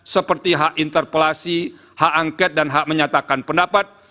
seperti hak interpelasi hak angket dan hak menyatakan pendapat